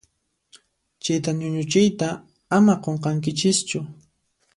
Chita ñuñuchiytaqa ama qunqankichischu.